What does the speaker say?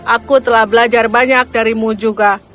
aku telah belajar banyak darimu juga